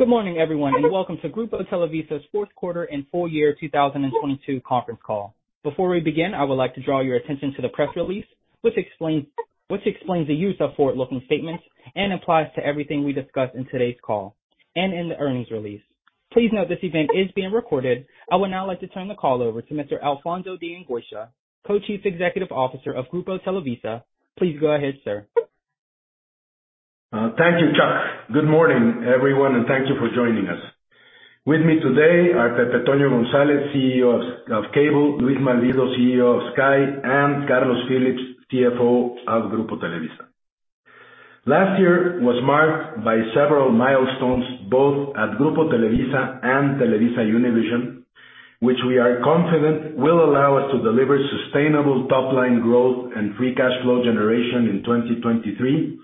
Good morning, everyone. Welcome to Grupo Televisa's Q4 and full year 2022 conference call. Before we begin, I would like to draw your attention to the press release, which explains the use of forward-looking statements and applies to everything we discuss in today's call and in the earnings release. Please note this event is being recorded. I would now like to turn the call over to Mr. Alfonso de Angoitia, Co-Chief Executive Officer of Grupo Televisa. Please go ahead, sir. Thank you, Chuck. Good morning, everyone, thank you for joining us. With me today are Pepe Toño González, CEO of Cable; Luis Malvido, CEO of Sky; and Carlos Phillips, CFO of Grupo Televisa. Last year was marked by several milestones, both at Grupo Televisa and TelevisaUnivision, which we are confident will allow us to deliver sustainable top-line growth and free cash flow generation in 2023,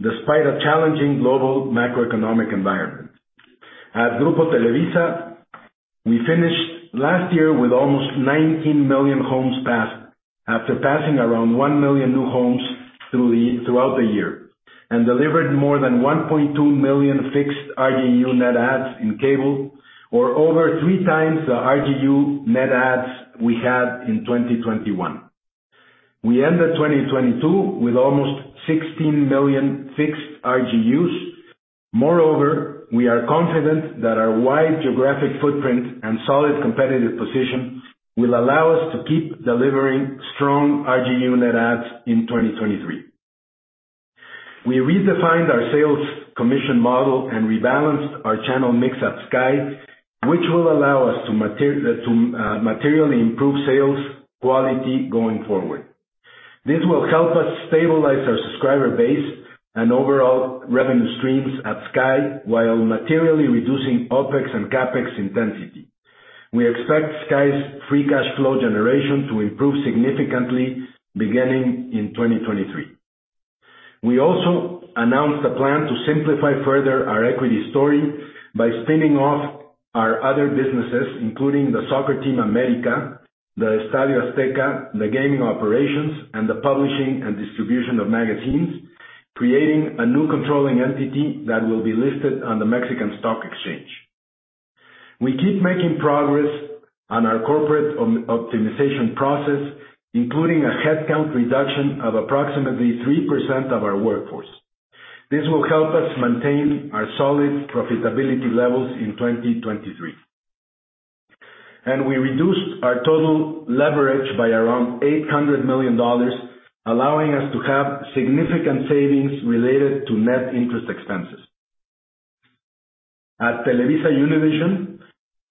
despite a challenging global macroeconomic environment. At Grupo Televisa, we finished last year with almost 19 million homes passed, after passing around 1 million new homes throughout the year. Delivered more than 1.2 million fixed RGU net adds in Cable, or over three times the RGU net adds we had in 2021. We ended 2022 with almost 16 million fixed RGUs. Moreover, we are confident that our wide geographic footprint and solid competitive position will allow us to keep delivering strong RGU net adds in 2023. We redefined our sales commission model and rebalanced our channel mix at Sky, which will allow us to materially improve sales quality going forward. This will help us stabilize our subscriber base and overall revenue streams at Sky while materially reducing OpEx and CapEx intensity. We expect Sky's free cash flow generation to improve significantly beginning in 2023. We also announced a plan to simplify further our equity story by spinning off our other businesses, including the soccer team, América, the Estadio Azteca, the gaming operations, and the publishing and distribution of magazines, creating a new controlling entity that will be listed on the Mexican Stock Exchange. We keep making progress on our corporate optimization process, including a headcount reduction of approximately 3% of our workforce. This will help us maintain our solid profitability levels in 2023. We reduced our total leverage by around $800 million, allowing us to have significant savings related to net interest expenses. At TelevisaUnivision,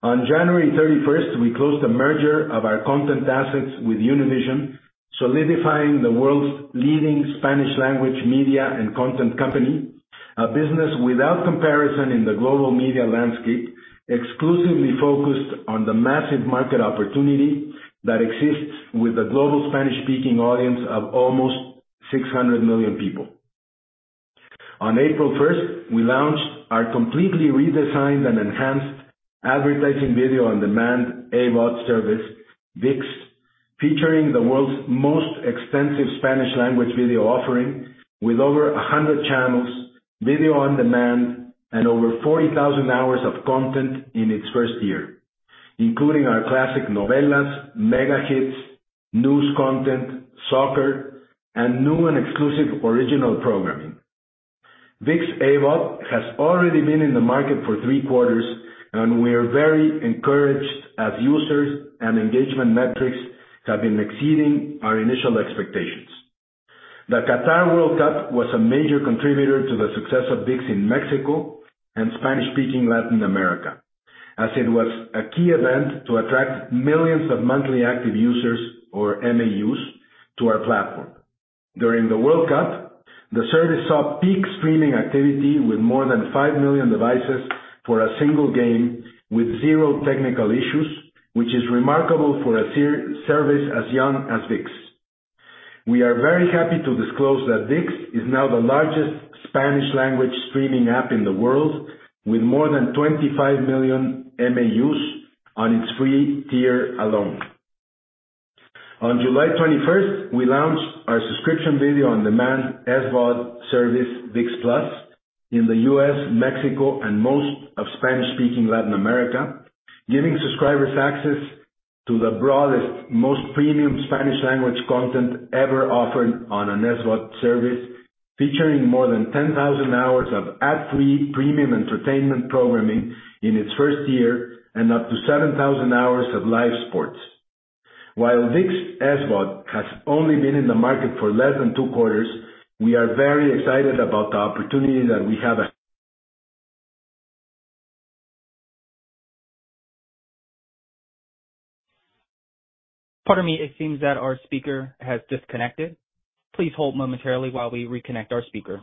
on January 31st, we closed the merger of our content assets with Univision, solidifying the world's leading Spanish-language media and content company, a business without comparison in the global media landscape, exclusively focused on the massive market opportunity that exists with the global Spanish-speaking audience of almost 600 million people. On April first, we launched our completely redesigned and enhanced advertising video on demand, AVOD service, ViX, featuring the world's most extensive Spanish-language video offering with over 100 channels, video on demand, and over 40,000 hours of content in its first year, including our classic novelas, mega hits, news content, soccer, and new and exclusive original programming. ViX AVOD has already been in the market for three quarters, and we are very encouraged as users and engagement metrics have been exceeding our initial expectations. The Qatar World Cup was a major contributor to the success of ViX in Mexico and Spanish-speaking Latin America, as it was a key event to attract millions of monthly active users, or MAUs, to our platform. During the World Cup, the service saw peak streaming activity with more than 5 million devices for a single game with zero technical issues, which is remarkable for a service as young as ViX. We are very happy to disclose that ViX is now the largest Spanish language streaming app in the world, with more than 25 million MAUs on its free tier alone. On July 21st, we launched our subscription video on demand, SVOD service, ViX+, in the U.S., Mexico, and most of Spanish-speaking Latin America, giving subscribers access to the broadest, most premium Spanish language content ever offered on an SVOD service, featuring more than 10,000 hours of ad-free premium entertainment programming in its first year and up to 7,000 hours of live sports. While ViX SVOD has only been in the market for less than two quarters, we are very excited about the opportunity that we have. Pardon me, it seems that our speaker has disconnected. Please hold momentarily while we reconnect our speaker.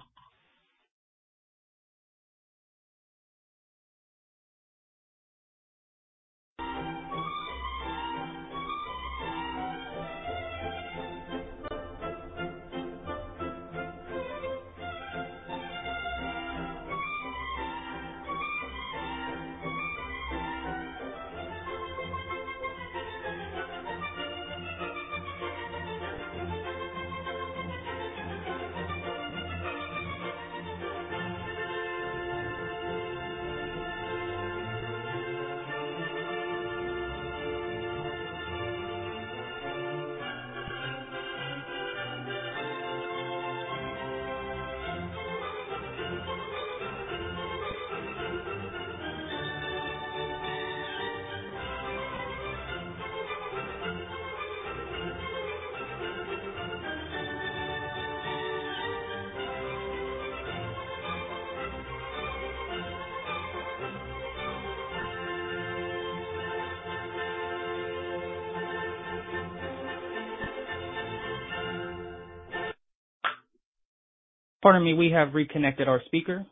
Pardon me, we have reconnected our speaker.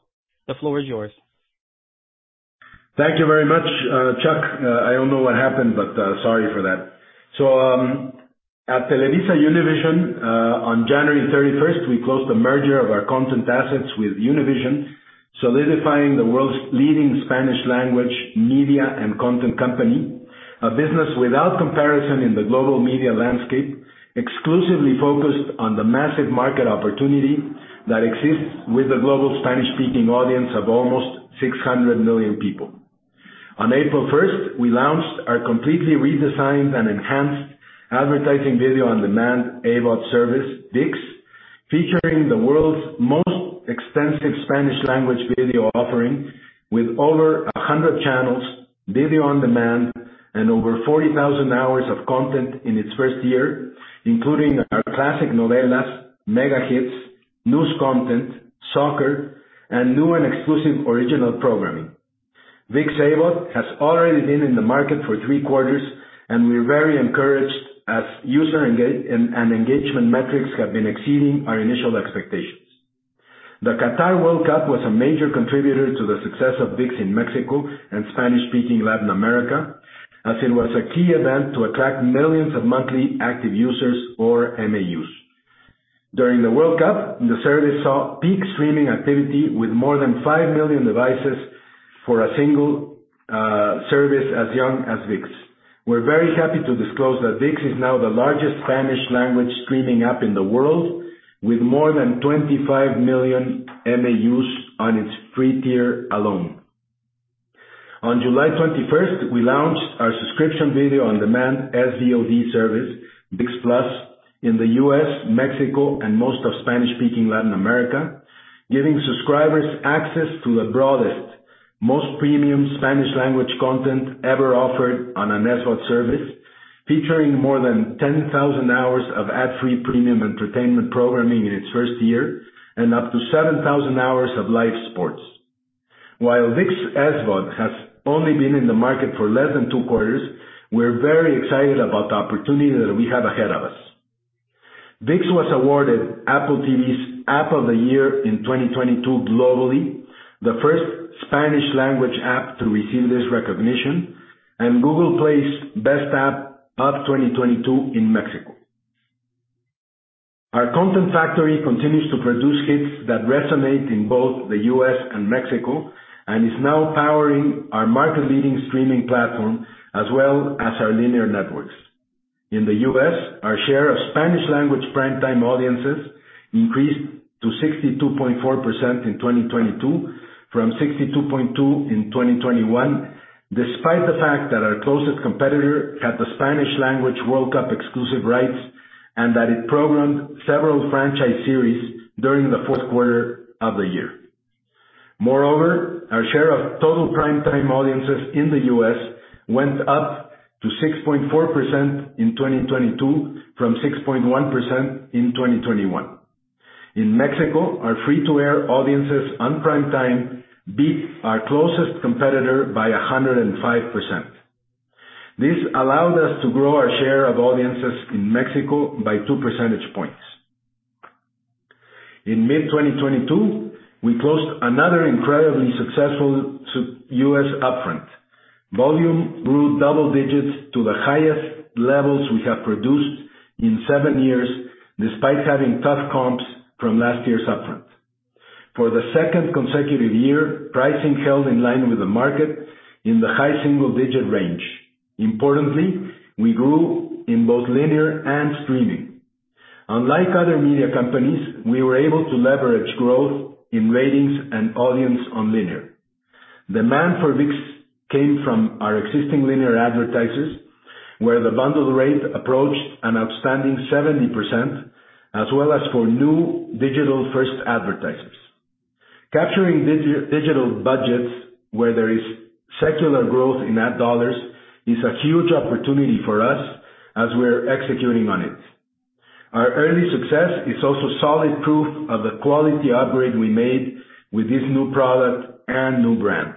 The floor is yours. Thank you very much, Chuck. I don't know what happened, but sorry for that. At TelevisaUnivision, on January 31st, we closed the merger of our content assets with Univision, solidifying the world's leading Spanish-language media and content company. A business without comparison in the global media landscape, exclusively focused on the massive market opportunity that exists with the global Spanish-speaking audience of almost 600 million people. On April 1st, we launched our completely redesigned and enhanced advertising video on demand AVOD service, ViX, featuring the world's most extensive Spanish-language video offering with over 100 channels, video on demand, and over 40,000 hours of content in its first year, including our classic novelas, mega hits, news content, soccer, and new and exclusive original programming. ViX AVOD has already been in the market for three quarters. We're very encouraged as user engagement metrics have been exceeding our initial expectations. The Qatar World Cup was a major contributor to the success of ViX in Mexico and Spanish-speaking Latin America, as it was a key event to attract millions of monthly active users or MAUs. During the World Cup, the service saw peak streaming activity with more than 5 million devices for a single service as young as ViX. We're very happy to disclose that ViX is now the largest Spanish-language streaming app in the world, with more than 25 million MAUs on its free tier alone. On July 21st, we launched our subscription video on demand, SVOD service, ViX+, in the US, Mexico, and most of Spanish-speaking Latin America, giving subscribers access to the broadest, most premium Spanish-language content ever offered on an SVOD service, featuring more than 10,000 hours of ad-free premium entertainment programming in its first year and up to 7,000 hours of live sports. While ViX SVOD has only been in the market for less than two quarters, we're very excited about the opportunity that we have ahead of us. ViX was awarded Apple TV's App of the Year in 2022 globally, the first Spanish-language app to receive this recognition, and Google Play's Best App of 2022 in Mexico. Our content factory continues to produce hits that resonate in both the US and Mexico and is now powering our market-leading streaming platform, as well as our linear networks. In the U.S., our share of Spanish language primetime audiences increased to 62.4% in 2022 from 62.2 in 2021, despite the fact that our closest competitor had the Spanish language World Cup exclusive rights and that it programmed several franchise series during the Q4 of the year. Our share of total primetime audiences in the U.S. went up to 6.4% in 2022 from 6.1% in 2021. In Mexico, our free to air audiences on primetime beat our closest competitor by 105%. This allowed us to grow our share of audiences in Mexico by two percentage points. In mid-2022, we closed another incredibly successful U.S. upfront. Volume grew double digits to the highest levels we have produced in seven years, despite having tough comps from last year's upfront. For the second consecutive year, pricing held in line with the market in the high single-digit range. Importantly, we grew in both linear and streaming. Unlike other media companies, we were able to leverage growth in ratings and audience on linear. Demand for ViX came from our existing linear advertisers, where the bundle rate approached an outstanding 70% as well as for new digital-first advertisers. Capturing digital budgets where there is secular growth in ad dollars is a huge opportunity for us as we are executing on it. Our early success is also solid proof of the quality upgrade we made with this new product and new brand.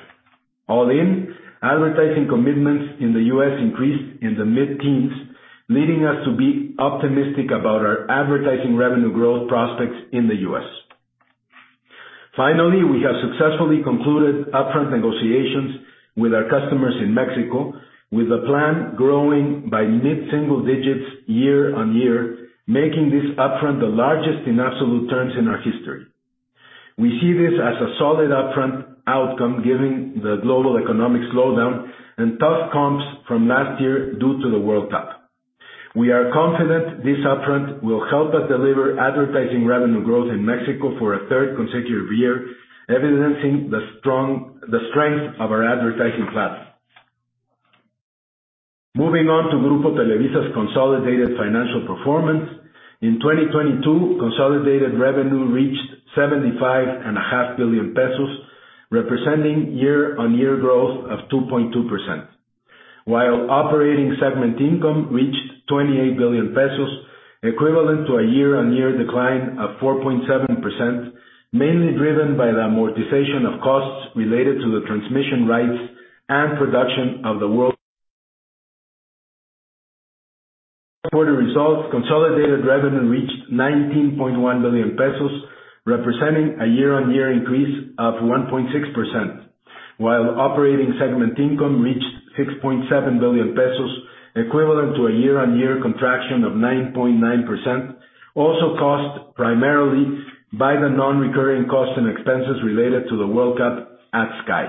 All in, advertising commitments in the U.S. increased in the mid-teens, leading us to be optimistic about our advertising revenue growth prospects in the U.S. Finally, we have successfully concluded upfront negotiations with our customers in Mexico with a plan growing by mid-single digits year-on-year, making this upfront the largest in absolute terms in our history. We see this as a solid upfront outcome given the global economic slowdown and tough comps from last year due to the World Cup. We are confident this upfront will help us deliver advertising revenue growth in Mexico for a third consecutive year, evidencing the strength of our advertising platform. Moving on to Grupo Televisa's consolidated financial performance. In 2022, consolidated revenue reached 75.5 billion pesos, representing year-on-year growth of 2.2%, while operating segment income reached 28 billion pesos, equivalent to a year-on-year decline of 4.7%, mainly driven by the amortization of costs related to the transmission rights and production of the World-. Quarter results, consolidated revenue reached 19.1 billion pesos, representing a year-on-year increase of 1.6%, while operating segment income reached 6.7 billion pesos, equivalent to a year-on-year contraction of 9.9%, also caused primarily by the non-recurring costs and expenses related to the World Cup at Sky.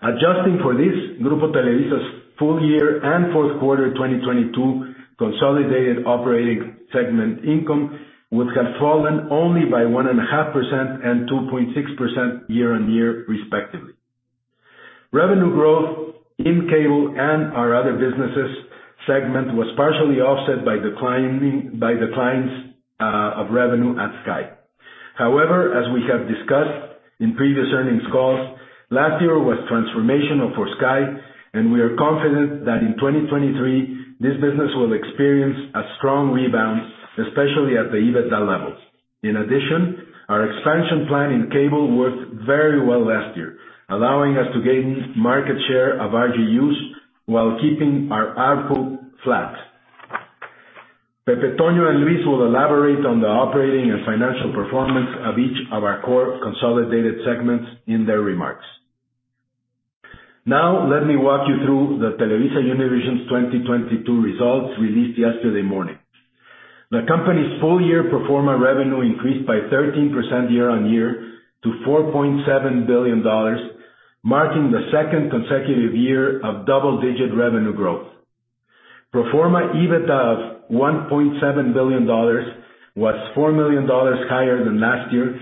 Adjusting for this, Grupo Televisa's full year and Q4 2022 consolidated operating segment income would have fallen only by 1.5% and 2.6% year-on-year respectively. Revenue growth in cable and our other businesses segment was partially offset by declining, by declines of revenue at Sky. However, as we have discussed in previous earnings calls, last year was transformational for Sky, and we are confident that in 2023, this business will experience a strong rebound, especially at the EBITDA levels. In addition, our expansion plan in cable worked very well last year, allowing us to gain market share of RGUs while keeping our ARPU flat. Pepe Toño and Luis Malvido will elaborate on the operating and financial performance of each of our core consolidated segments in their remarks. Now let me walk you through the TelevisaUnivision's 2022 results released yesterday morning. The company's full year pro forma revenue increased by 13% year-on-year to $4.7 billion, marking the second consecutive year of double-digit revenue growth. Pro forma EBITDA of $1.7 billion was $4 million higher than last year,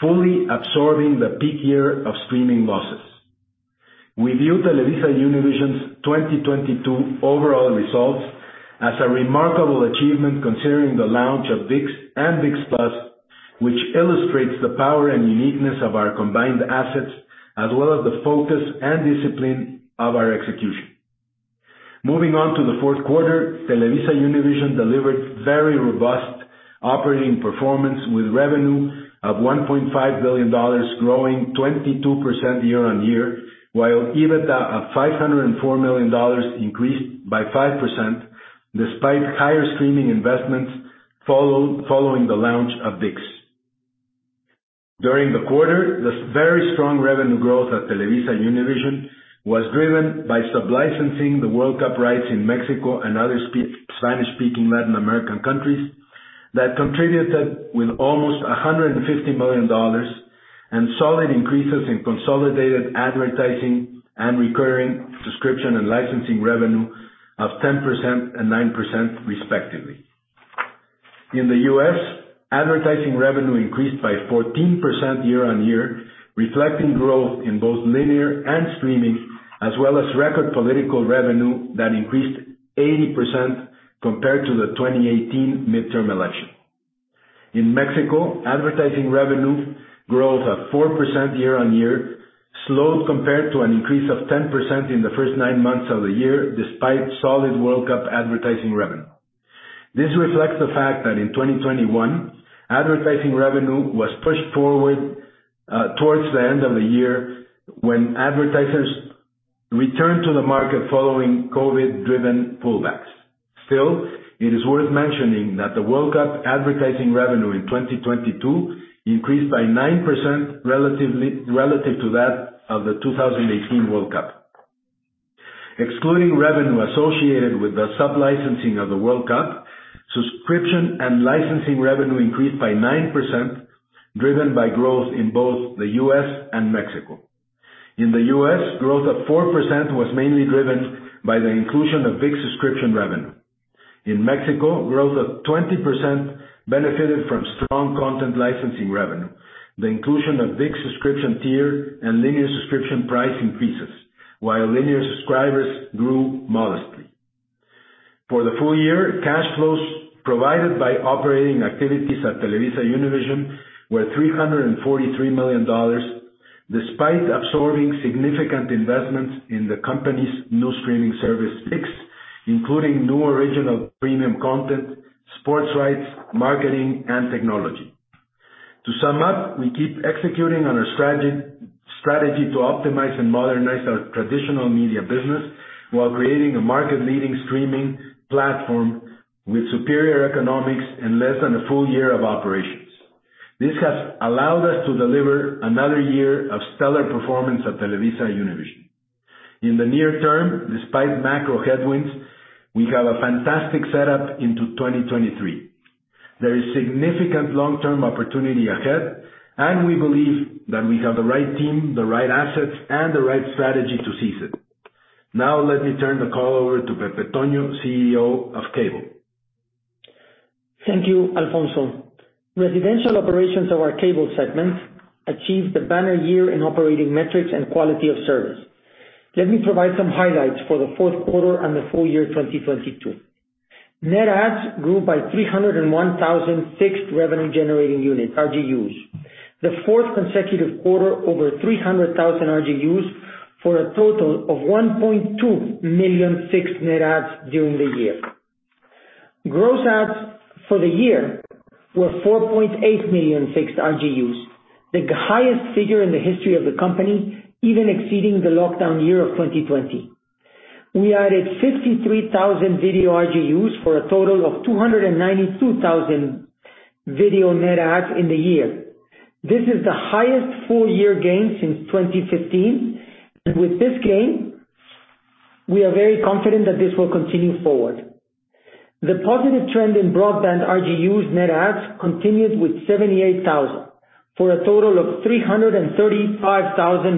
fully absorbing the peak year of streaming losses. We view TelevisaUnivision's 2022 overall results as a remarkable achievement considering the launch of ViX and ViX+, which illustrates the power and uniqueness of our combined assets as well as the focus and discipline of our execution. Moving on to the Q4, TelevisaUnivision delivered very robust operating performance with revenue of $1.5 billion, growing 22% year-on-year, while EBITDA of $504 million increased by 5% despite higher streaming investments following the launch of ViX. During the quarter, the very strong revenue growth at TelevisaUnivision was driven by sub-licensing the World Cup rights in Mexico and other Spanish-speaking Latin American countries that contributed with almost $150 million and solid increases in consolidated advertising and recurring subscription and licensing revenue of 10% and 9% respectively. In the U.S., advertising revenue increased by 14% year-on-year, reflecting growth in both linear and streaming, as well as record political revenue that increased 80% compared to the 2018 midterm election. In Mexico, advertising revenue growth of 4% year-on-year slowed compared to an increase of 10% in the first nine months of the year, despite solid World Cup advertising revenue. This reflects the fact that in 2021, advertising revenue was pushed forward towards the end of the year when advertisers returned to the market following COVID-driven pullbacks. It is worth mentioning that the World Cup advertising revenue in 2022 increased by 9% relatively, relative to that of the 2018 World Cup. Excluding revenue associated with the World Cup sub-licensing, subscription and licensing revenue increased by 9%, driven by growth in both the U.S. and Mexico. In the U.S., growth of 4% was mainly driven by the inclusion of ViX subscription revenue. In Mexico, growth of 20% benefited from strong content licensing revenue, the inclusion of ViX subscription tier and linear subscription price increases, while linear subscribers grew modestly. For the full year, cash flows provided by operating activities at TelevisaUnivision were $343 million, despite absorbing significant investments in the company's new streaming service, ViX, including new original premium content, sports rights, marketing and technology. To sum up, we keep executing on our strategy to optimize and modernize our traditional media business while creating a market-leading streaming platform with superior economics in less than a full year of operations. This has allowed us to deliver another year of stellar performance at TelevisaUnivision. In the near term, despite macro headwinds, we have a fantastic setup into 2023. There is significant long-term opportunity ahead, and we believe that we have the right team, the right assets, and the right strategy to seize it. Now let me turn the call over to Pepe Toño, CEO of Cable. Thank you, Alfonso. Residential operations of our cable segment achieved the banner year in operating metrics and quality of service. Let me provide some highlights for the Q4 and the full year 2022. Net adds grew by 301,000 fixed revenue generating units, RGUs. The fourth consecutive quarter over 300,000 RGUs for a total of 1.2 million fixed net adds during the year. Gross adds for the year were 4.8 million fixed RGUs, the highest figure in the history of the company, even exceeding the lockdown year of 2020. We added 63,000 video RGUs for a total of 292,000 video net adds in the year. This is the highest full year gain since 2015, and with this gain, we are very confident that this will continue forward. The positive trend in broadband RGUs net adds continues with 78,000, for a total of 335,000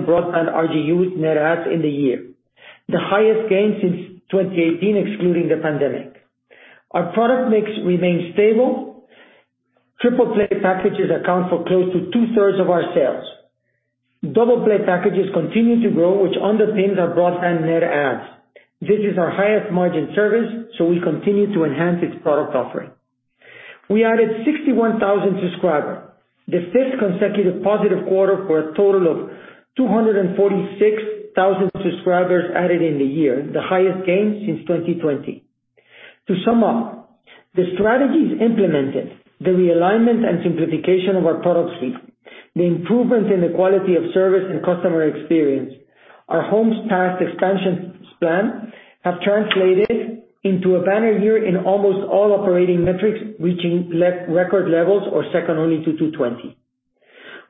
broadband RGUs net adds in the year, the highest gain since 2018, excluding the pandemic. Our product mix remains stable. Triple play packages account for close to 2/3 of our sales. Double play packages continue to grow, which underpins our broadband net adds. This is our highest margin service, so we continue to enhance its product offering. We added 61,000 subscribers, the fifth consecutive positive quarter for a total of 246,000 subscribers added in the year, the highest gain since 2020. To sum up, the strategies implemented, the realignment and simplification of our product suite, the improvements in the quality of service and customer experience, our homes passed expansion plan, have translated into a banner year in almost all operating metrics, reaching record levels or second only to 2020.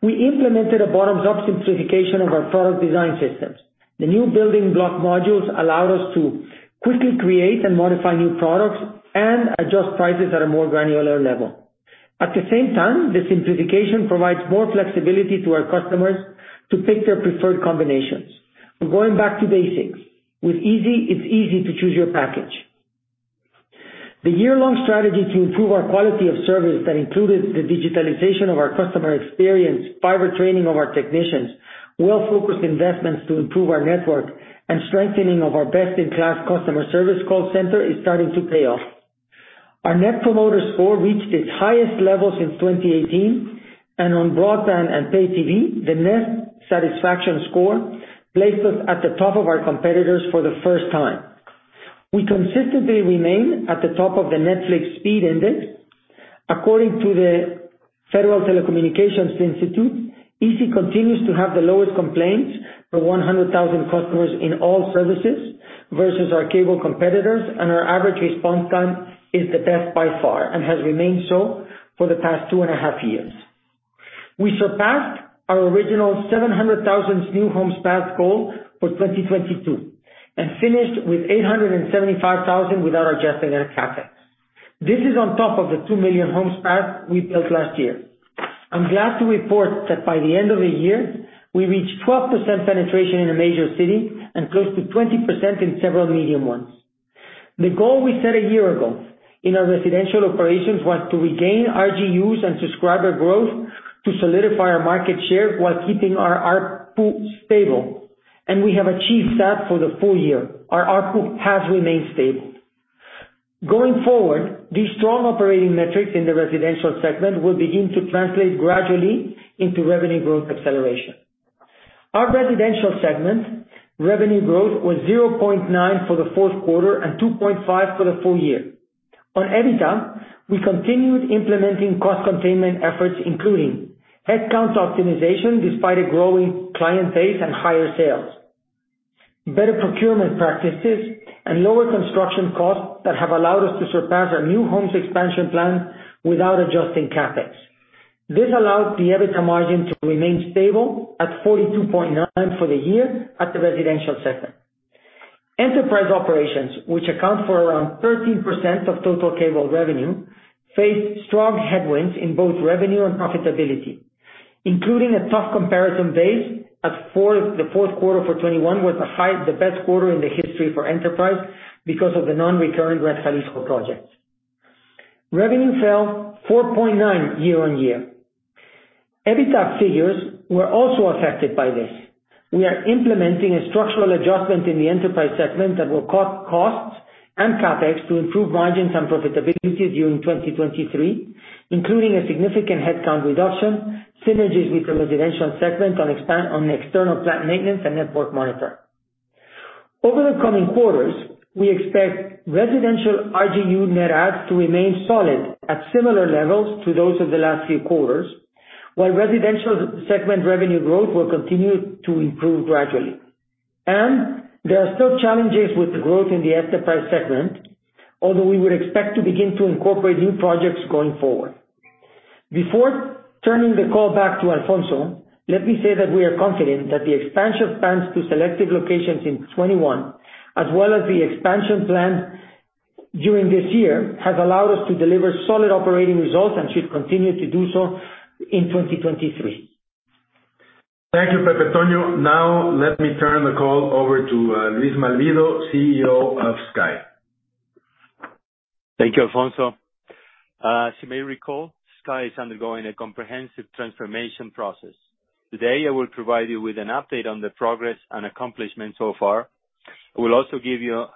We implemented a bottoms-up simplification of our product design systems. The new building block modules allowed us to quickly create and modify new products and adjust prices at a more granular level. At the same time, the simplification provides more flexibility to our customers to pick their preferred combinations. We're going back to basics. With izzi, it's easy to choose your package. The year-long strategy to improve our quality of service that included the digitalization of our customer experience, fiber training of our technicians, well-focused investments to improve our network, and strengthening of our best-in-class customer service call center is starting to pay off. Our net promoter score reached its highest level since 2018, and on broadband and pay TV, the net satisfaction score placed us at the top of our competitors for the first time. We consistently remain at the top of the Netflix ISP Speed Index. According to the Federal Telecommunications Institute, izzi continues to have the lowest complaints per 100,000 customers in all services versus our cable competitors, and our average response time is the best by far, and has remained so for the past 2.5 years. We surpassed our original 700,000 new homes passed goal for 2022 and finished with 875,000 without adjusting our CapEx. This is on top of the 2 million homes passed we built last year. I'm glad to report that by the end of the year, we reached 12% penetration in a major city and close to 20% in several medium ones. The goal we set a year ago in our residential operations was to regain RGUs and subscriber growth to solidify our market share while keeping our ARPU stable, and we have achieved that for the full year. Our ARPU has remained stable. Going forward, these strong operating metrics in the residential segment will begin to translate gradually into revenue growth acceleration. Our residential segment revenue growth was 0.9% for the Q4 and 2.5% for the full year. On EBITDA, we continued implementing cost containment efforts, including headcount optimization despite a growing client base and higher sales, better procurement practices, and lower construction costs that have allowed us to surpass our new homes expansion plan without adjusting CapEx. This allowed the EBITDA margin to remain stable at 42.9% for the year at the residential segment. Enterprise operations, which account for around 13% of total cable revenue, faced strong headwinds in both revenue and profitability, including a tough comparison base as the Q4 for 2021 was the best quarter in the history for enterprise because of the non-recurring Red Jalisco project. Revenue fell 4.9% year-on-year. EBITDA figures were also affected by this. We are implementing a structural adjustment in the enterprise segment that will cut costs and CapEx to improve margins and profitability during 2023, including a significant headcount reduction, synergies with the residential segment on the external plant maintenance and network monitor. Over the coming quarters, we expect residential RGU net adds to remain solid at similar levels to those of the last few quarters, while residential segment revenue growth will continue to improve gradually. There are still challenges with growth in the enterprise segment, although we would expect to begin to incorporate new projects going forward. Before turning the call back to Alfonso, let me say that we are confident that the expansion plans to selected locations in 21, as well as the expansion plans during this year, have allowed us to deliver solid operating results and should continue to do so in 2023. Thank you, Pepetonio. Now let me turn the call over to Luis Malvido, CEO of Sky. Thank you, Alfonso. As you may recall, Sky is undergoing a comprehensive transformation process. Today, I will provide you with an update on the progress and accomplishments so far. I will also give you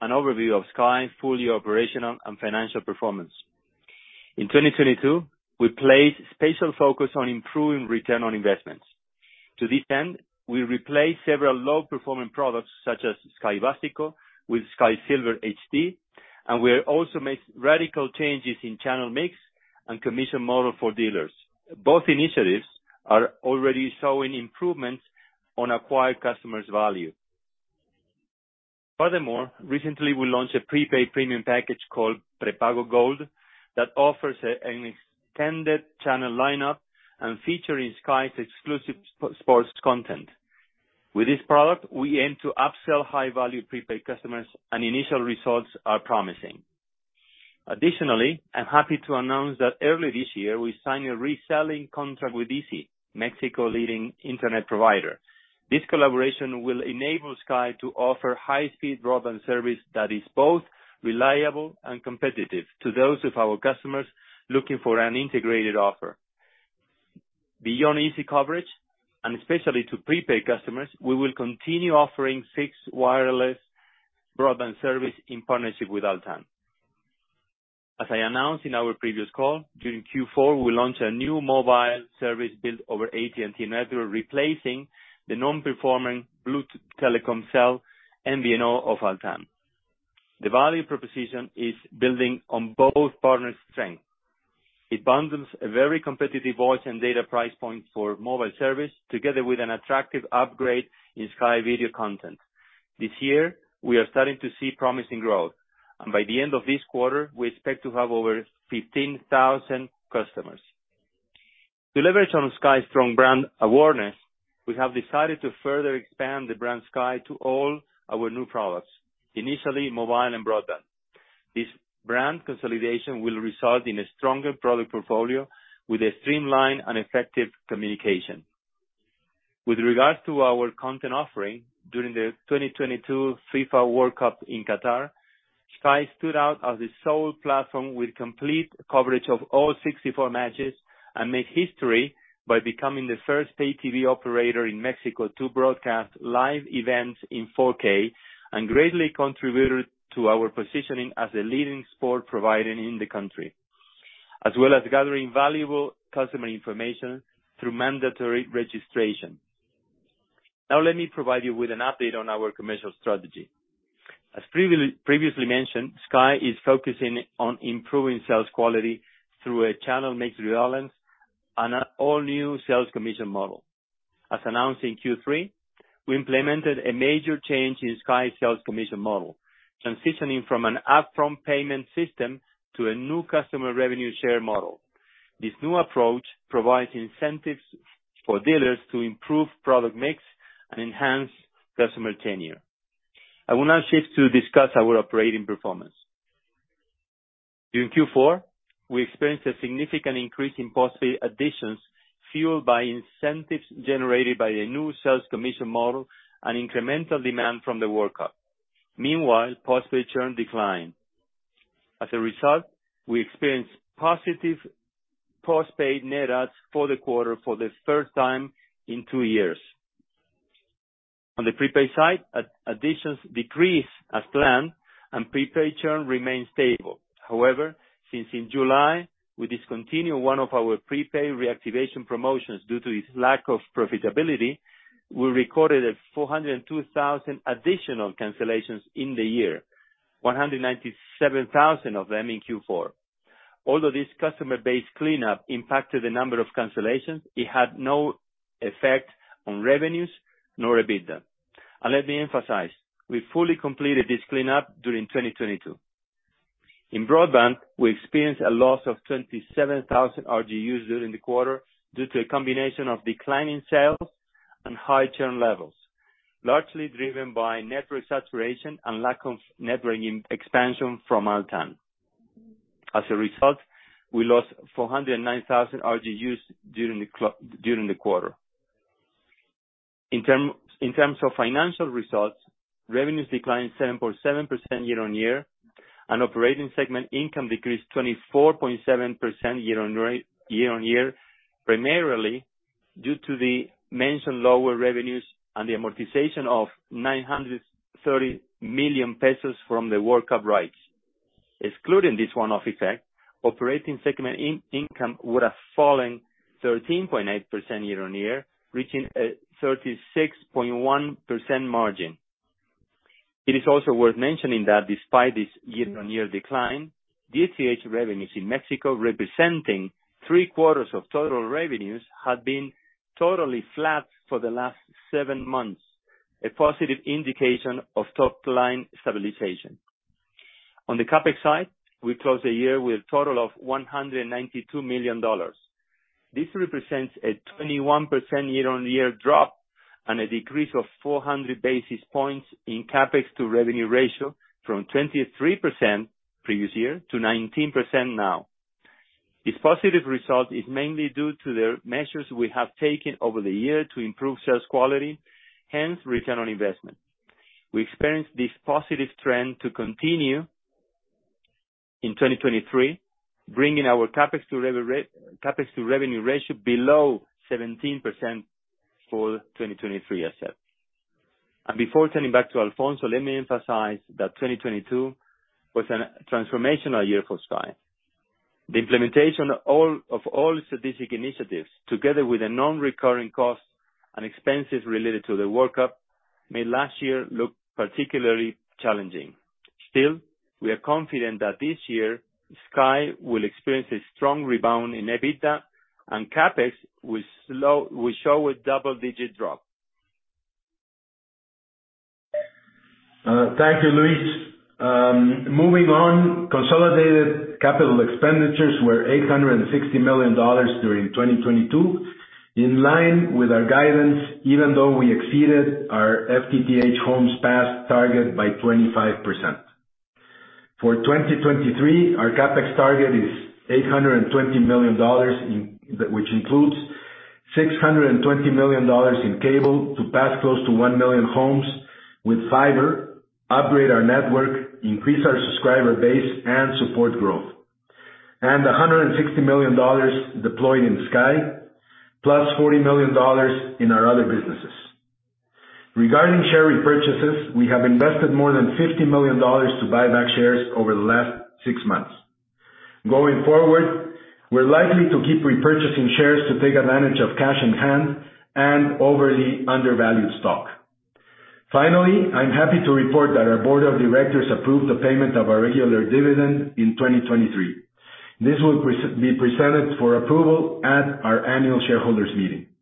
an overview of Sky fully operational and financial performance. In 2022, we placed special focus on improving return on investments. To this end, we replaced several low performing products such as Sky Básico with Sky Silver HD, and we also made radical changes in channel mix and commission model for dealers. Both initiatives are already showing improvements on acquired customers' value. Furthermore, recently we launched a prepaid premium package called Prepago Gold that offers an extended channel lineup and featuring Sky's exclusive sports content. With this product, we aim to upsell high value prepaid customers, and initial results are promising. Additionally, I'm happy to announce that early this year we signed a reselling contract with Izzi, Mexico leading Internet provider. This collaboration will enable Sky to offer high speed broadband service that is both reliable and competitive to those of our customers looking for an integrated offer. Especially to prepaid customers, we will continue offering fixed wireless broadband service in partnership with Altán. As I announced in our previous call, during Q4, we launched a new mobile service built over AT&T network, replacing the non-performing Blue Telecomm cell MVNO of Altán. The value proposition is building on both partners' strength. It bundles a very competitive voice and data price point for mobile service, together with an attractive upgrade in Sky video content. This year, we are starting to see promising growth. By the end of this quarter, we expect to have over 15,000 customers. To leverage on Sky's strong brand awareness, we have decided to further expand the brand Sky to all our new products, initially mobile and broadband. This brand consolidation will result in a stronger product portfolio with a streamlined and effective communication. With regards to our content offering during the 2022 FIFA World Cup in Qatar, Sky stood out as the sole platform with complete coverage of all 64 matches, and made history by becoming the first pay TV operator in Mexico to broadcast live events in 4K, and greatly contributed to our positioning as a leading sport provider in the country, as well as gathering valuable customer information through mandatory registration. Let me provide you with an update on our commercial strategy. As previously mentioned, Sky is focusing on improving sales quality through a channel mix rebalance and an all new sales commission model. As announced in Q3, we implemented a major change in Sky sales commission model, transitioning from an up-front payment system to a new customer revenue share model. This new approach provides incentives for dealers to improve product mix and enhance customer tenure. I will now shift to discuss our operating performance. During Q4, we experienced a significant increase in postpaid additions, fueled by incentives generated by a new sales commission model and incremental demand from the World Cup. Meanwhile, postpaid churn declined. As a result, we experienced positive postpaid net adds for the quarter for the first time in two years. On the prepaid side, additions decreased as planned and prepaid churn remained stable. Since in July we discontinued one of our prepaid reactivation promotions due to its lack of profitability, we recorded 402,000 additional cancellations in the year, 197,000 of them in Q4. Although this customer base cleanup impacted the number of cancellations, it had no effect on revenues nor EBITDA. Let me emphasize, we fully completed this cleanup during 2022. In broadband, we experienced a loss of 27,000 RGUs during the quarter due to a combination of declining sales and high churn levels, largely driven by network saturation and lack of network expansion from Altán. As a result, we lost 409,000 RGUs during the quarter. In terms of financial results, revenues declined 7.7% year-on-year, and operating segment income decreased 24.7% year-on-year, primarily due to the mentioned lower revenues and the amortization of 930 million pesos from the World Cup rights. Excluding this one-off effect, operating segment income would have fallen 13.8% year-on-year, reaching a 36.1% margin. It is also worth mentioning that despite this year-on-year decline, DTH revenues in Mexico, representing three quarters of total revenues, have been totally flat for the last seven months, a positive indication of top line stabilization. On the CapEx side, we closed the year with a total of $192 million. This represents a 21% year-on-year drop and a decrease of 400 basis points in CapEx to revenue ratio from 23% previous year to 19% now. This positive result is mainly due to the measures we have taken over the year to improve sales quality, hence return on investment. We expect this positive trend to continue in 2023, bringing our CapEx to revenue ratio below 17% for 2023 as well. Before turning back to Alfonso, let me emphasize that 2022 was an transformational year for Sky. The implementation of all strategic initiatives, together with the non-recurring costs and expenses related to the World Cup, made last year look particularly challenging. Still, we are confident that this year Sky will experience a strong rebound in EBITDA and CapEx will show a double-digit drop. Thank you, Luis. Moving on. Consolidated capital expenditures were $860 million during 2022, in line with our guidance, even though we exceeded our FTTH homes passed target by 25%. For 2023, our CapEx target is $820 million, which includes $620 million in cable to pass close to 1 million homes with fiber, upgrade our network, increase our subscriber base and support growth. $160 million deployed in Sky, plus $40 million in our other businesses. Regarding share repurchases, we have invested more than $50 million to buy back shares over the last six months. Going forward, we're likely to keep repurchasing shares to take advantage of cash in hand and overly undervalued stock. Finally, I'm happy to report that our board of directors approved the payment of our regular dividend in 2023. This will be presented for approval at our annual shareholders meeting.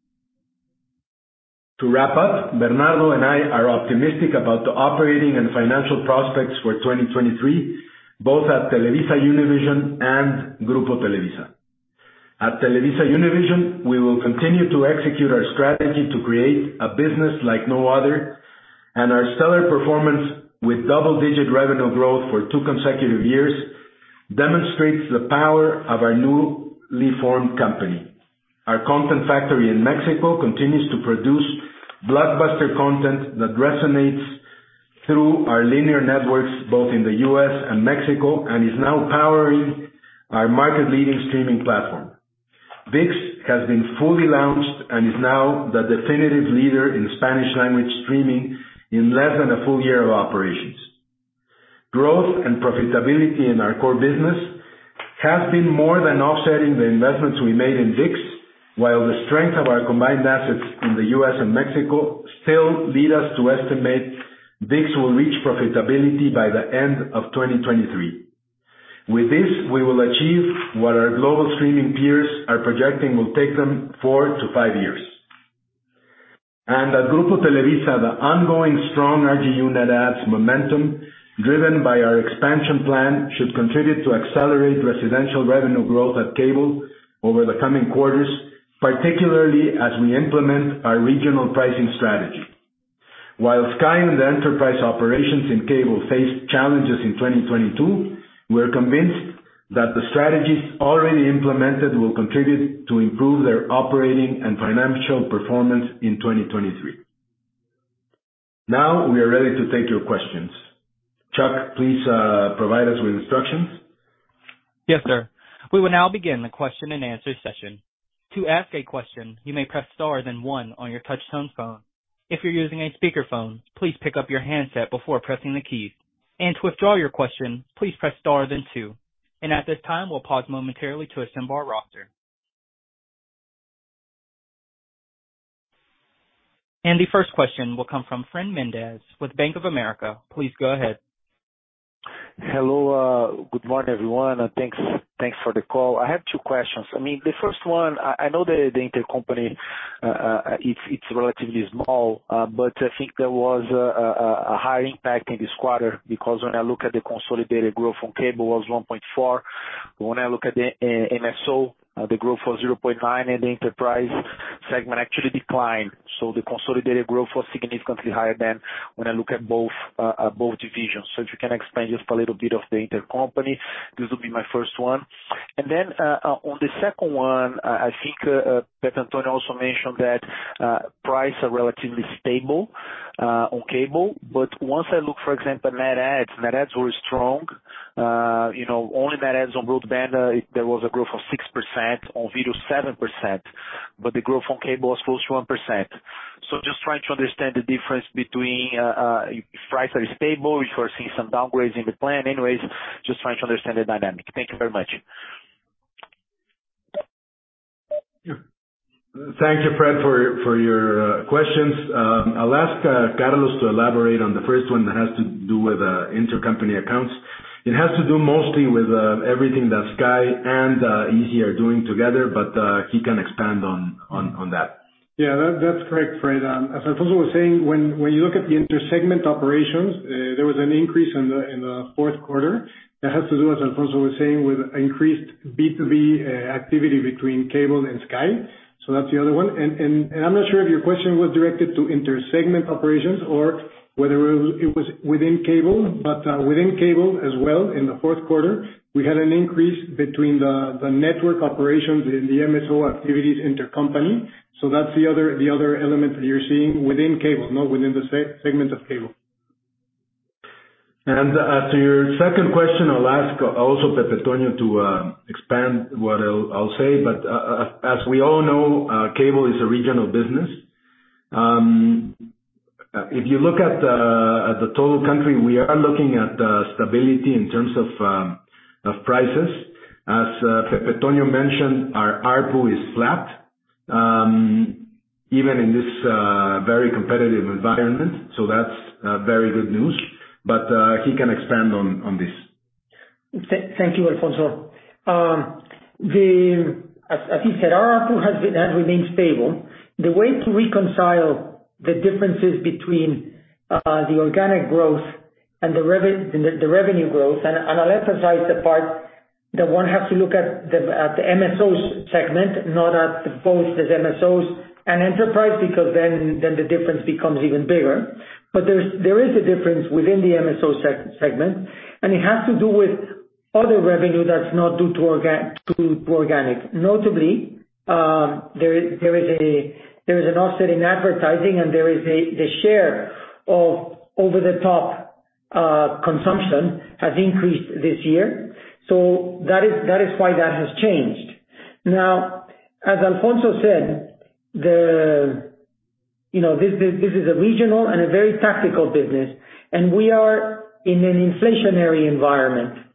To wrap up, Bernardo and I are optimistic about the operating and financial prospects for 2023, both at TelevisaUnivision and Grupo Televisa. At TelevisaUnivision, we will continue to execute our strategy to create a business like no other, and our stellar performance with double-digit revenue growth for two consecutive years demonstrates the power of our newly formed company. Our content factory in Mexico continues to produce blockbuster content that resonates through our linear networks, both in the U.S. and Mexico, and is now powering our market-leading streaming platform. ViX has been fully launched and is now the definitive leader in Spanish-language streaming in less than a full year of operations. Growth and profitability in our core business has been more than offsetting the investments we made in ViX. While the strength of our combined assets in the U.S. and Mexico still lead us to estimate ViX will reach profitability by the end of 2023. With this, we will achieve what our global streaming peers are projecting will take them four to five years. At Grupo Televisa, the ongoing strong RGU net adds momentum driven by our expansion plan should contribute to accelerate residential revenue growth at Cable over the coming quarters, particularly as we implement our regional pricing strategy. While Sky and the enterprise operations in Cable faced challenges in 2022, we are convinced that the strategies already implemented will contribute to improve their operating and financial performance in 2023. Now we are ready to take your questions. Chuck, please provide us with instructions. Yes, sir. We will now begin the question-and-answer session. To ask a question, you may press star then one on your touchtone phone. If you're using a speakerphone, please pick up your handset before pressing the key. To withdraw your question, please press star then two. At this time, we'll pause momentarily to assemble our roster. The first question will come from Fred Mendes with Bank of America. Please go ahead. Hello. good morning, everyone, and thanks for the call. I have two questions. I mean the first one, I know that the intercompany, it's relatively small, but I think there was a high impact in this quarter because when I look at the consolidated growth from Cable was 1.4. When I look at the MSO, the growth was 0.9, and the enterprise segment actually declined. So the consolidated growth was significantly higher than when I look at both divisions. So if you can explain just a little bit of the intercompany, this will be my first one. On the second one, I think, Pepe Toño also mentioned that price are relatively stable on Cable. Once I look, for example, net adds, net adds were strong. you know, only net adds on broadband, there was a growth of 6% on video, 7%, but the growth on Cable was close to 1%. Just trying to understand the difference between, if price are stable, if we're seeing some downgrades in the plan. Anyways, just trying to understand the dynamic. Thank you very much. Thank you, Fred, for your questions. I'll ask Carlos to elaborate on the first one that has to do with intercompany accounts. It has to do mostly with everything that Sky and izzi are doing together, but he can expand on that. Yeah, that's correct, Fred. As Alfonso was saying, when you look at the inter-segment operations, there was an increase in the Q4 that has to do, as Alfonso was saying, with increased B2B activity between Cable and Sky. That's the other one. I'm not sure if your question was directed to inter-segment operations or whether it was within Cable, but within Cable as well, in the Q4, we had an increase between the network operations in the MSO activities intercompany. That's the other element that you're seeing within Cable, not within the segment of Cable. As to your second question, I'll ask also Pepetonio to expand what I'll say. As we all know, Cable is a regional business. If you look at the total country, we are looking at stability in terms of prices. As Pepetonio mentioned, our ARPU is flat even in this very competitive environment. That's very good news. He can expand on this. Thank you, Alfonso. As you said, ARPU has remained stable. The way to reconcile the differences between the organic growth and the revenue growth and I'll emphasize the part that one has to look at the MSO segment, not at both the MSOs and enterprise because then the difference becomes even bigger. There is a difference within the MSO segment, and it has to do with other revenue that's not due to organic. Notably, there is an offset in advertising and there is a, the share of over-the-top consumption has increased this year. That is why that has changed. As Alfonso said, you know, this is a regional and a very tactical business, and we are in an inflationary environment.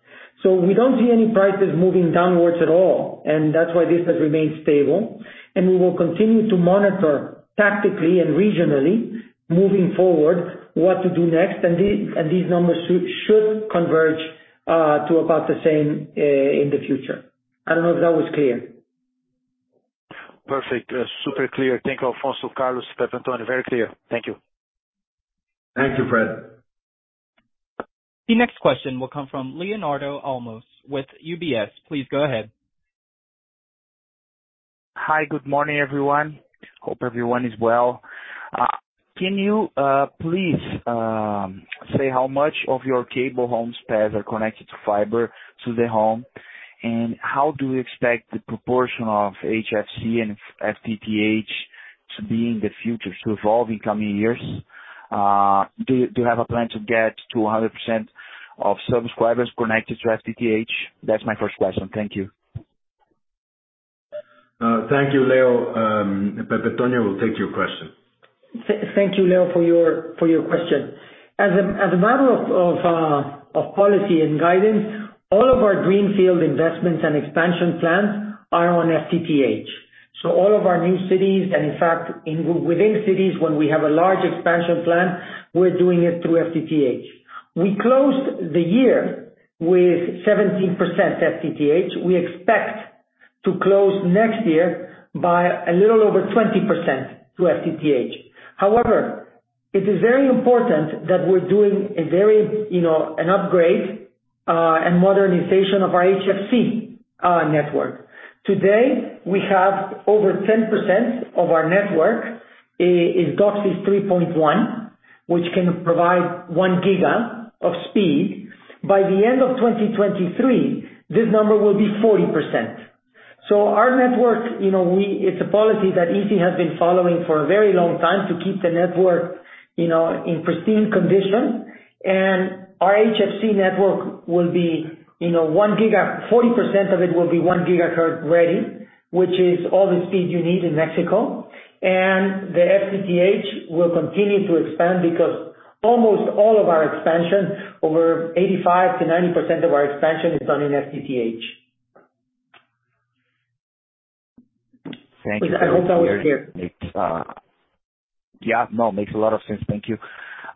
We don't see any prices moving downwards at all, and that's why this has remained stable. We will continue to monitor tactically and regionally moving forward what to do next, and these numbers should converge to about the same in the future. I don't know if that was clear. Perfect. super clear. Thank you, Alfonso, Carlos, Pepetonio. Very clear. Thank you. Thank you, Fred. The next question will come from Leonardo Olmos with UBS. Please go ahead. Hi, good morning, everyone. Hope everyone is well. can you please say how much of your cable homes passed or connected to fiber to the home? How do you expect the proportion of HFC and FTTH to be in the future, to evolve in coming years? do you have a plan to get to 100% of subscribers connected to FTTH? That's my first question. Thank you. Thank you, Leo. Pepetonio will take your question. Thank you, Leo, for your question. As a matter of policy and guidance, all of our greenfield investments and expansion plans are on FTTH. All of our new cities, and in fact, within cities when we have a large expansion plan, we're doing it through FTTH. We closed the year with 17% FTTH. We expect to close next year by a little over 20% to FTTH. However, it is very important that we're doing a very, you know, an upgrade and modernization of our HFC network. Today, we have over 10% of our network is DOCSIS 3.1, which can provide 1 giga of speed. By the end of 2023, this number will be 40%. Our network, you know, It's a policy that EC has been following for a very long time to keep the network, you know, in pristine condition. Our HFC network will be, you know, 1 giga. 40% of it will be 1 gigahertz ready, which is all the speed you need in Mexico. The FTTH will continue to expand because almost all of our expansion, over 85%-90% of our expansion is done in FTTH. Thank you. I hope that was clear. It. Yeah, no, it makes a lot of sense, thank you.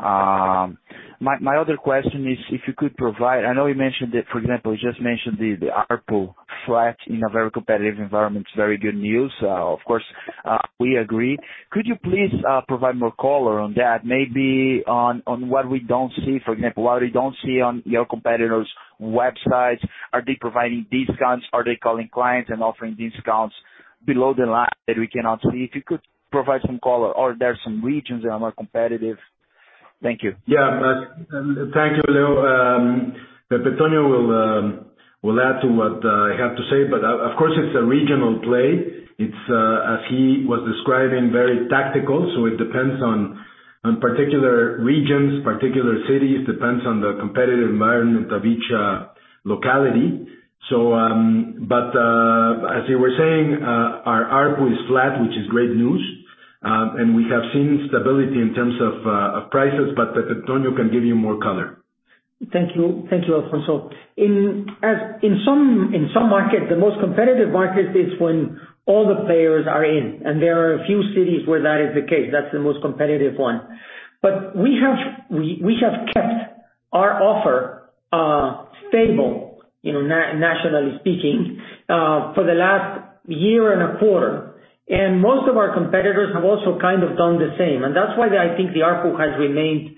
My other question is if you could provide. I know you mentioned it, for example, you just mentioned the ARPU flat in a very competitive environment is very good news. Of course, we agree. Could you please provide more color on that? Maybe on what we don't see, for example, what we don't see on your competitors' websites. Are they providing discounts? Are they calling clients and offering discounts below the line that we cannot see? If you could provide some color or there are some regions that are more competitive? Thank you. Yeah. Thank you, Leo. Pepetonio will add to what I have to say. Of course, it's a regional play. It's, as he was describing, very tactical. It depends on particular regions, particular cities. Depends on the competitive environment of each locality. As you were saying, our ARPU is flat, which is great news. We have seen stability in terms of prices. Pepetonio can give you more color. Thank you, Alfonso. In some markets, the most competitive market is when all the players are in. There are a few cities where that is the case. That's the most competitive one. We have kept- Our offer, stable, you know, nationally speaking, for the last year and a quarter. Most of our competitors have also kind of done the same. That's why I think the ARPU has remained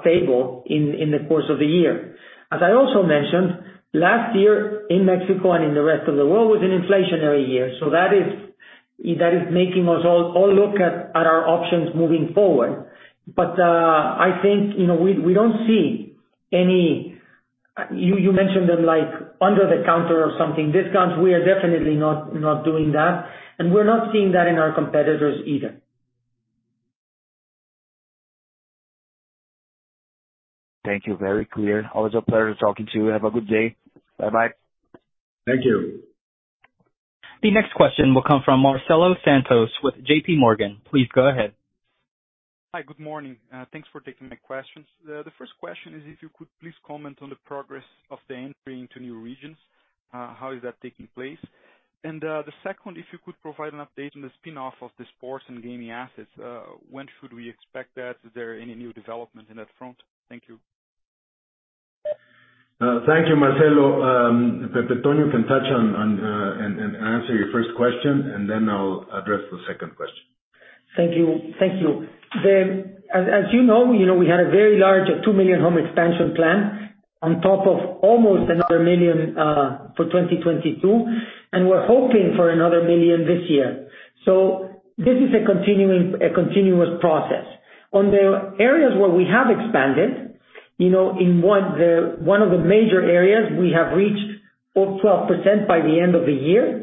stable in the course of the year. As I also mentioned, last year in Mexico and in the rest of the world was an inflationary year, that is making us all look at our options moving forward. I think, you know, we don't see any... You mentioned them like under the counter or something discounts, we are definitely not doing that, we're not seeing that in our competitors either. Thank you. Very clear. Always a pleasure talking to you. Have a good day. Bye-bye. Thank you. The next question will come from Marcelo Santos with JPMorgan. Please go ahead. Hi. Good morning. Thanks for taking my questions. The first question is if you could please comment on the progress of the entry into new regions, how is that taking place? The second, if you could provide an update on the spin-off of the sports and gaming assets, when should we expect that? Is there any new development in that front? Thank you. Thank you, Marcelo. Pepe Toño can touch on, and answer your first question, and then I'll address the second question. Thank you. Thank you. As you know, you know, we had a very large 2 million home expansion plan on top of almost another 1 million for 2022, and we're hoping for another 1 million this year. This is a continuous process. On the areas where we have expanded, you know, in one of the major areas, we have reached all 12% by the end of the year.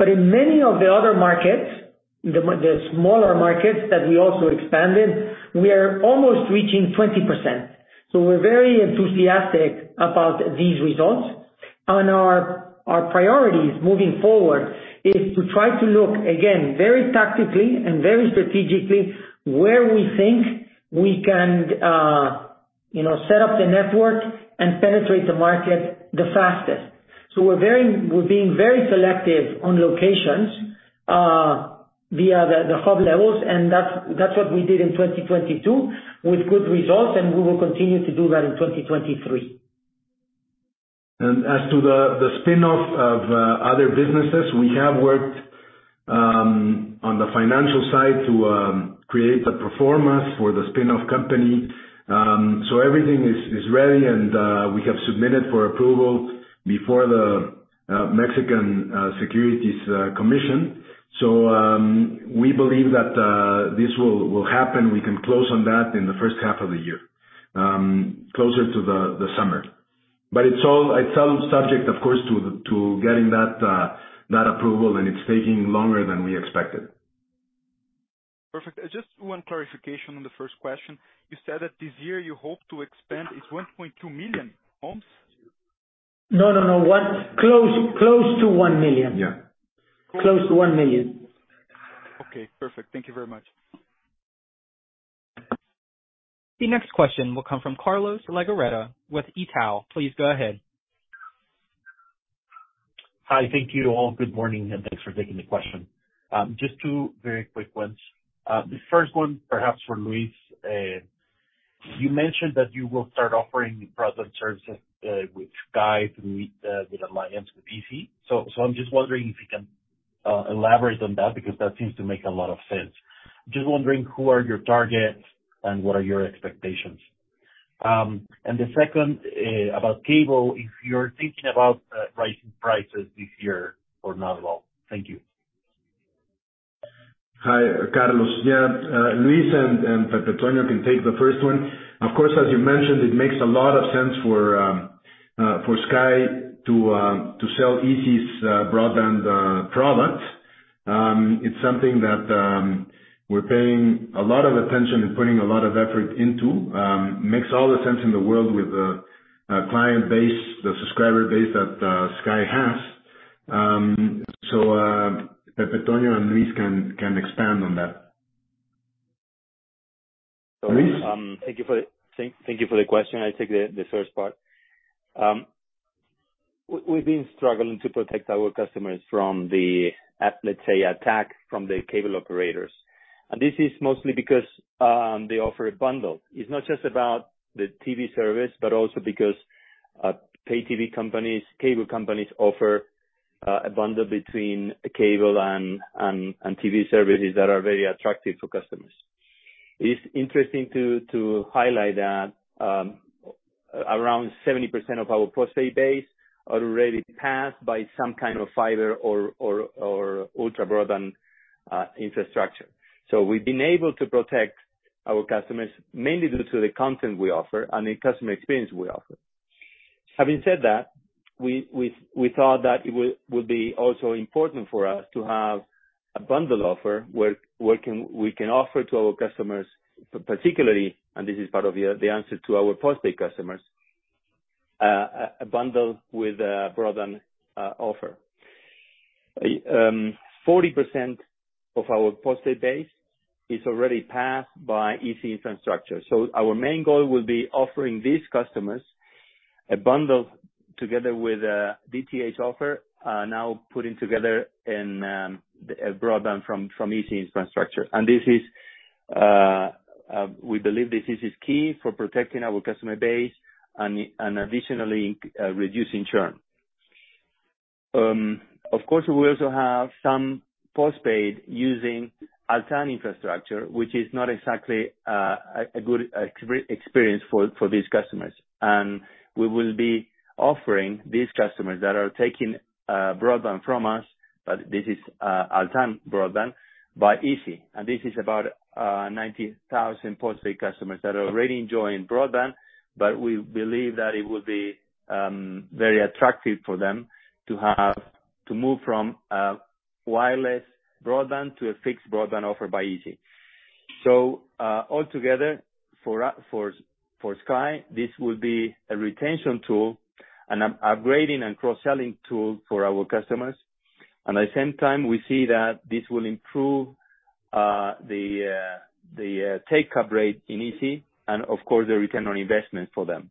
In many of the other markets, the smaller markets that we also expanded, we are almost reaching 20%. We're very enthusiastic about these results. Our priorities moving forward is to try to look, again, very tactically and very strategically where we think we can, you know, set up the network and penetrate the market the fastest. We're being very selective on locations, via the hub levels, and that's what we did in 2022 with good results, and we will continue to do that in 2023. As to the spin-off of other businesses, we have worked on the financial side to create the pro forma for the spin-off company. Everything is ready. We have submitted for approval before the Mexican Securities Commission. We believe that this will happen. We can close on that in the first half of the year, closer to the summer. It's all subject of course, to getting that approval and it's taking longer than we expected. Perfect. Just one clarification on the first question. You said that this year you hope to expand, it's 1.2 million homes? No, no. Close to 1 million. Yeah. Close to 1 million. Okay, perfect. Thank you very much. The next question will come from Carlos Legorreta with Itaú. Please go ahead. Hi. Thank you all. Good morning, and thanks for taking the question. Just two very quick ones. The first one perhaps for Luis. You mentioned that you will start offering broadband services with Sky through Alliance, with izzi. I'm just wondering if you can elaborate on that, because that seems to make a lot of sense. Just wondering who are your targets and what are your expectations? The second about cable, if you're thinking about rising prices this year or not at all. Thank you. Hi, Carlos. Yeah. Luis and Pepe Toño can take the first one. Of course, as you mentioned, it makes a lot of sense for Sky to sell izzi's broadband products. It's something that we're paying a lot of attention and putting a lot of effort into. makes all the sense in the world with the client base, the subscriber base that Sky has. Pepe Toño and Luis can expand on that. Luis? Thank you for the question. I'll take the first part. We've been struggling to protect our customers from the, let's say, attack from the cable operators. This is mostly because they offer a bundle. It's not just about the TV service, but also because pay TV companies, cable companies offer a bundle between cable and TV services that are very attractive for customers. It's interesting to highlight that around 70% of our post-pay base already passed by some kind of fiber or ultra-broadband infrastructure. We've been able to protect our customers, mainly due to the content we offer and the customer experience we offer. Having said that, we thought that it would be also important for us to have a bundle offer where we can offer to our customers, particularly, and this is part of the answer to our post-pay customers, a bundle with a broadband offer. Forty percent of our post-pay base is already passed by izzi infrastructure. Our main goal will be offering these customers. A bundle together with DTH offer, now putting together in a broadband from izzi infrastructure. This is, we believe this is key for protecting our customer base and additionally reducing churn. Of course, we also have some postpaid using Altán infrastructure, which is not exactly a good experience for these customers. We will be offering these customers that are taking broadband from us, but this is Altán broadband by izzi, and this is about 90,000 postpaid customers that are already enjoying broadband. We believe that it will be very attractive for them to have to move from wireless broadband to a fixed broadband offer by izzi. Altogether for Sky, this will be a retention tool, an upgrading and cross-selling tool for our customers. At the same time, we see that this will improve the take-up rate in izzi and of course, the return on investment for them.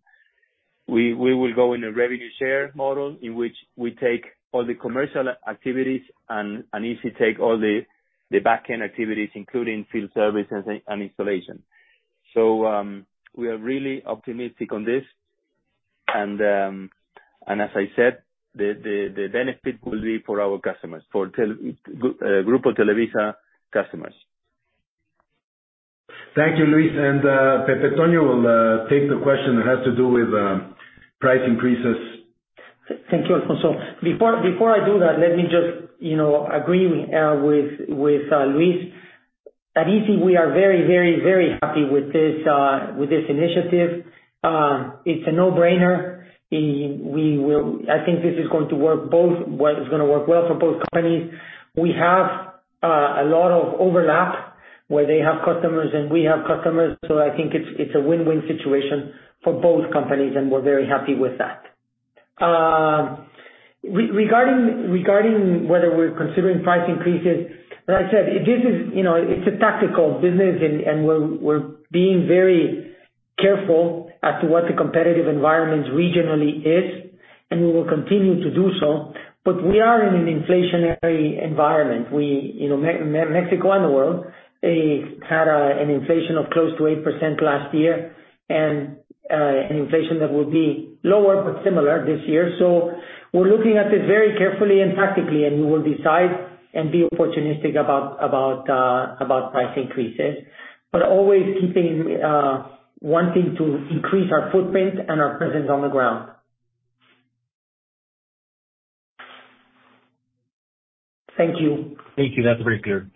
We will go in a revenue share model in which we take all the commercial activities and izzi take all the backend activities, including field service and installation. We are really optimistic on this. As I said, the benefit will be for our customers, for Grupo Televisa customers. Thank you, Luis. Pepe Toño will take the question that has to do with, price increases. Thank you, Alfonso. Before I do that, let me just, you know, agree with Luis. At izzi we are very happy with this initiative. It's a no-brainer. I think this is going to work both ways. It's gonna work well for both companies. We have a lot of overlap where they have customers and we have customers, so I think it's a win-win situation for both companies, and we're very happy with that. Regarding whether we're considering price increases, as I said, this is, you know, it's a tactical business and we're being very careful as to what the competitive environment regionally is, and we will continue to do so. We are in an inflationary environment. We, you know, Mexico and the world had an inflation of close to 8% last year and an inflation that will be lower but similar this year. We're looking at it very carefully and tactically, and we will decide and be opportunistic about price increases, but always keeping wanting to increase our footprint and our presence on the ground. Thank you. Thank you. That's very clear.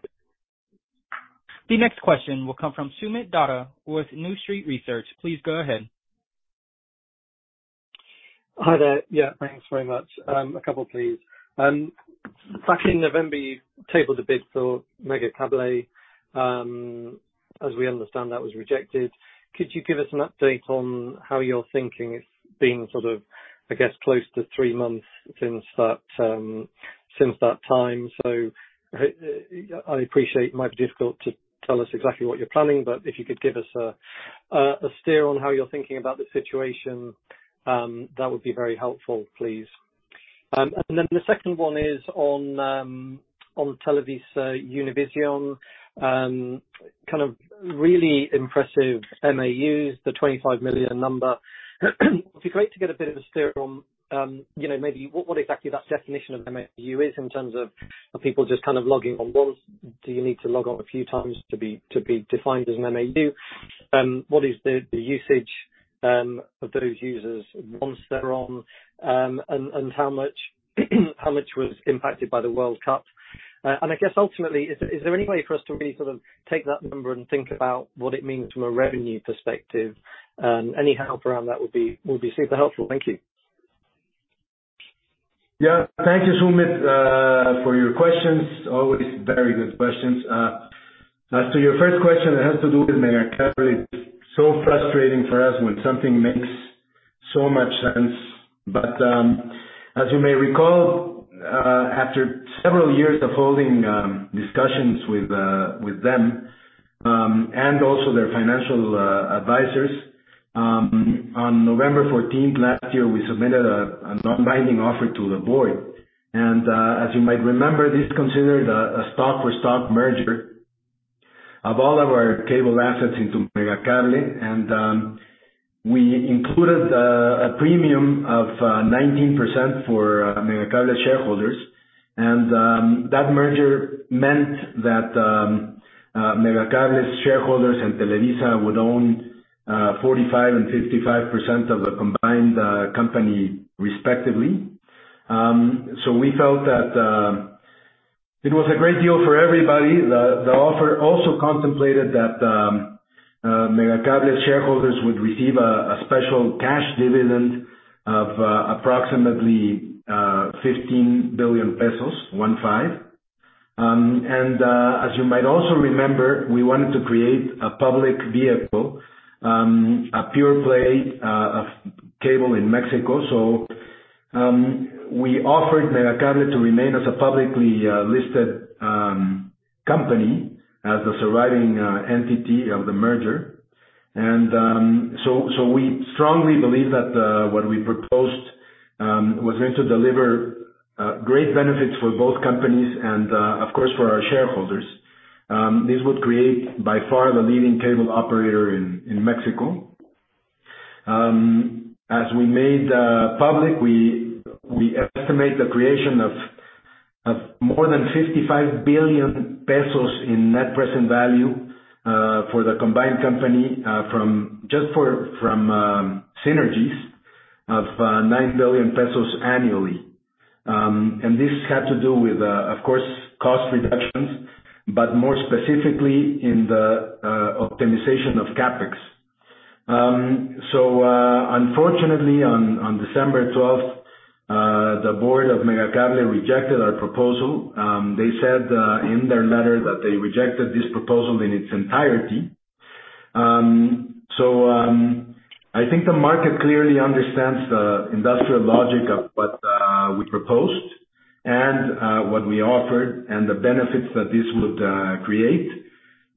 The next question will come from Sumit Datta with New Street Research. Please go ahead. Hi there. Thanks very much. A couple please. Back in November, you tabled a bid for Megacable. As we understand, that was rejected. Could you give us an update on how you're thinking? It's been sort of, I guess, close to three months since that, since that time. I appreciate it might be difficult to tell us exactly what you're planning, but if you could give us a steer on how you're thinking about the situation, that would be very helpful, please. The second one is on TelevisaUnivision, kind of really impressive MAUs, the 25 million number. It'd be great to get a bit of a steer on, you know, maybe what exactly that definition of MAU is in terms of people just kind of logging on once. Do you need to log on a few times to be defined as an MAU? What is the usage of those users once they're on? How much was impacted by the World Cup? I guess ultimately, is there any way for us to really sort of take that number and think about what it means from a revenue perspective? Any help around that would be super helpful. Thank you. Thank you, Sumit, for your questions. Always very good questions. As to your first question that has to do with Megacable, it's so frustrating for us when something makes so much sense. As you may recall, after several years of holding discussions with them, and also their financial advisors, on November 14th last year, we submitted a non-binding offer to the board. As you might remember, this considered a stock for stock merger of all of our cable assets into Megacable. We included a premium of 19% for Megacable shareholders. That merger meant that Megacable shareholders and Televisa would own 45% and 55% of the combined company respectively. We felt that it was a great deal for everybody. The offer also contemplated that Megacable shareholders would receive a special cash dividend of approximately 15 billion pesos. As you might also remember, we wanted to create a public vehicle, a pure play of cable in Mexico. We offered Megacable to remain as a publicly listed company as the surviving entity of the merger. We strongly believe that what we proposed was going to deliver great benefits for both companies and, of course, for our shareholders. This would create by far the leading cable operator in Mexico. As we made public, we estimate the creation of more than 55 billion pesos in net present value for the combined company from synergies of 9 billion pesos annually. And this had to do with, of course, cost reductions, but more specifically in the optimization of CapEx. Unfortunately, on December 12th, the board of Megacable rejected our proposal. They said in their letter that they rejected this proposal in its entirety. I think the market clearly understands the industrial logic of what we proposed and what we offered and the benefits that this would create.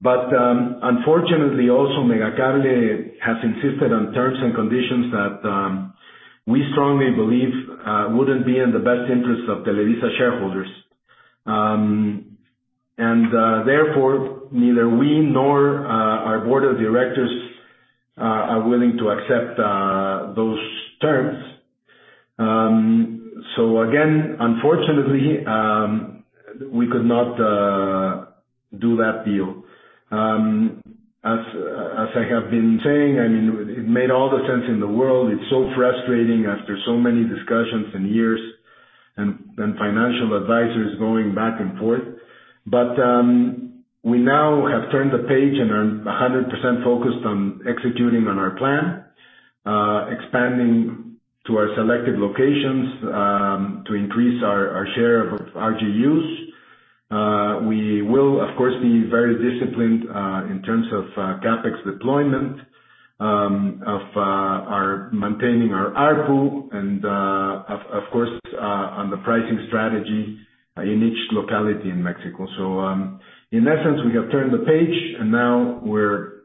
Unfortunately, also Megacable has insisted on terms and conditions that we strongly believe wouldn't be in the best interest of Televisa shareholders. Therefore, neither we nor our board of directors are willing to accept those terms. Again, unfortunately, we could not do that deal. As I have been saying, I mean, it made all the sense in the world. It's so frustrating after so many discussions and years and financial advisors going back and forth. We now have turned the page and are 100% focused on executing on our plan, expanding to our selected locations, to increase our share of RGUs. We will, of course, be very disciplined in terms of CapEx deployment, of our maintaining our ARPU and, of course, on the pricing strategy in each locality in Mexico. In essence we have turned the page and now we're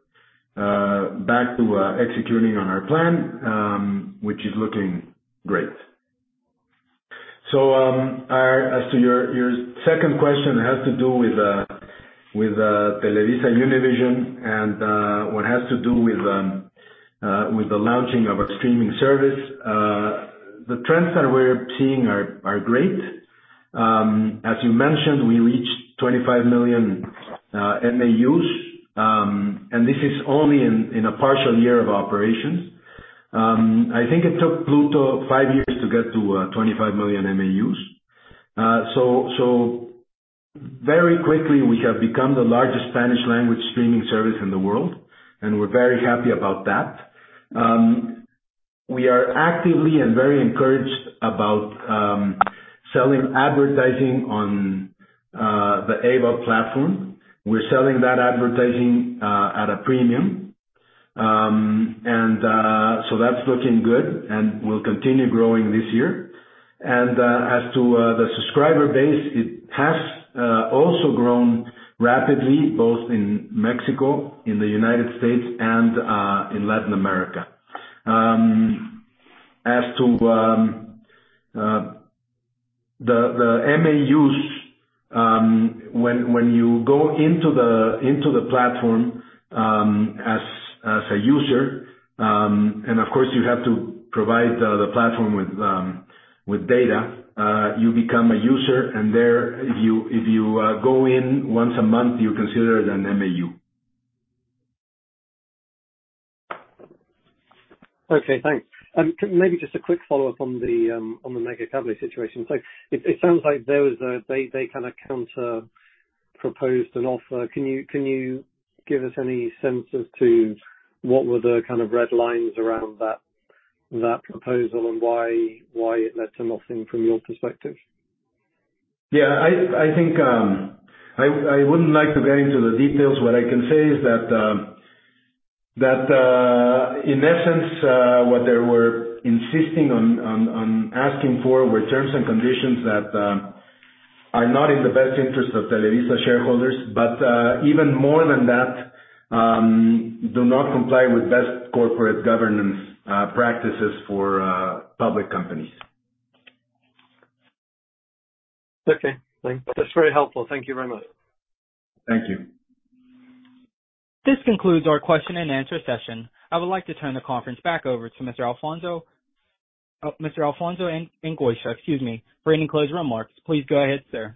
back to executing on our plan, which is looking great. As to your second question has to do with TelevisaUnivision and what has to do with the launching of a streaming service. The trends that we're seeing are great. As you mentioned, we reached 25 million MAUs, and this is only in a partial year of operations. I think it took Pluto five years to get to 25 million MAUs. Very quickly, we have become the largest Spanish language streaming service in the world, and we're very happy about that. We are actively and very encouraged about selling advertising on the AVOD platform. We're selling that advertising at a premium. That's looking good, and we'll continue growing this year. As to the subscriber base, it has also grown rapidly, both in Mexico, in the United States and in Latin America. As to the MAUs, when you go into the platform, as a user, of course you have to provide the platform with data, you become a user and there you... If you go in once a month, you're considered an MAU. Okay, thanks. Maybe just a quick follow-up on the Megacable situation. It sounds like there was a, they kind of counter proposed an offer. Can you give us any sense as to what were the kind of red lines around that proposal and why it led to nothing from your perspective? Yeah, I think, I wouldn't like to go into the details. What I can say is that, in essence, what they were insisting on asking for were terms and conditions that are not in the best interest of Televisa shareholders. Even more than that, do not comply with best corporate governance practices for public companies. Okay, thanks. That's very helpful. Thank you very much. Thank you. This concludes our question and answer session. I would like to turn the conference back over to Mr. Alfonso de Angoitia, excuse me, for any closing remarks. Please go ahead, sir.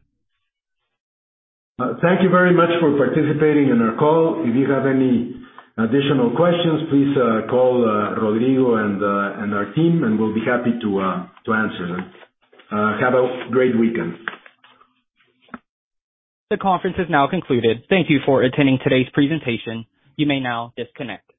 Thank you very much for participating in our call. If you have any additional questions, please call Rodrigo and our team, and we'll be happy to answer them. Have a great weekend. The conference has now concluded. Thank you for attending today's presentation. You may now disconnect.